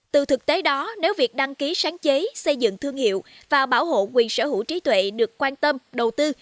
từ thực tế đó nếu việc đăng ký sáng chế xây dựng thương hiệu và bảo hộ quyền sở hữu trí tuệ được quan tâm đầu tư